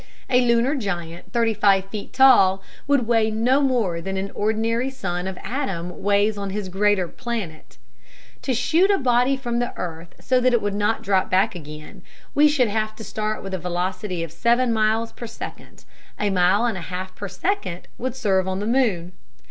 A lunar giant thirty five feet tall would weigh no more than an ordinary son of Adam weighs on his greater planet. To shoot a body from the earth so that it would not drop back again, we should have to start it with a velocity of seven miles per second; a mile and a half per second would serve on the moon.